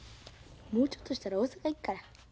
もうちょっとしたら大阪へ行くから。